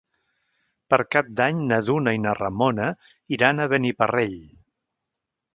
Per Cap d'Any na Duna i na Ramona iran a Beniparrell.